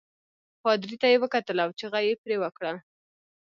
پادري ته یې وکتل او چغه يې پرې وکړل.